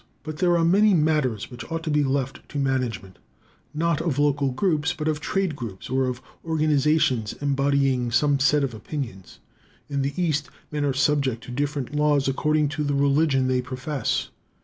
But there are many matters which ought to be left to the management, not of local groups, but of trade groups, or of organizations embodying some set of opinions. In the East, men are subject to different laws according to the religion they profess.